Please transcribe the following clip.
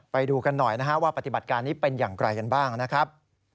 ไปดูกันหน่อยนะฮะว่าปฏิบัติการนี้เป็นอย่างไรกันบ้างนะครับ